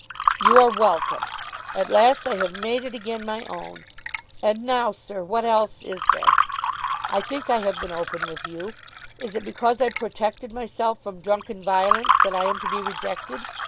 "You are welcome. At last I have made it again my own. And now, sir, what else is there? I think I have been open with you. Is it because I protected myself from drunken violence that I am to be rejected?